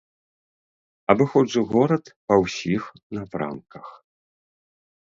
Абыходжу горад па ўсіх напрамках.